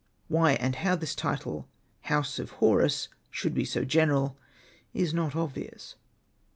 Why and how this title '' house of Horus " should be so general is not obvious.